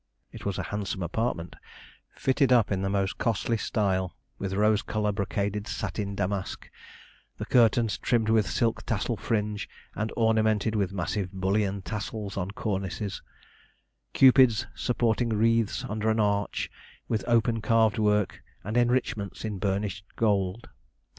It was a handsome apartment, fitted up in the most costly style; with rose colour brocaded satin damask, the curtains trimmed with silk tassel fringe, and ornamented with massive bullion tassels on cornices, Cupids supporting wreaths under an arch, with open carved work and enrichments in burnished gold.